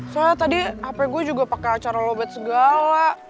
soalnya tadi hp gua juga pake acara lo bet segala